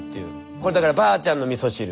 これだからばあちゃんのみそ汁。